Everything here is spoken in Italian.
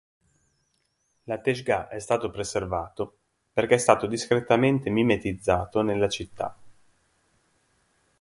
L'Ateshgah è stato preservato perché è stato discretamente mimetizzato nella città.